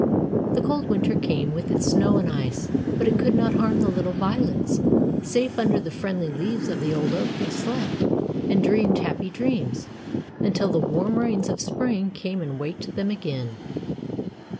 The cold winter came, with its snow and ice, but it could not harm the little violets. Safe under the friendly leaves of the old oak they slept, and dreamed happy dreams until the warm rains of spring came and waked them again.